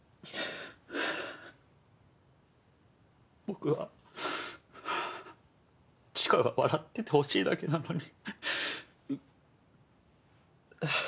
僕は知花が笑っててほしいだけなのに。